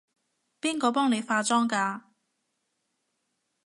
邊個幫你化妝㗎？